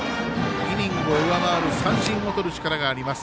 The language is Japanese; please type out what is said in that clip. イニングを上回る三振をとる力があります。